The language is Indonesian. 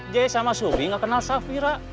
jay sama subi gak kenal safira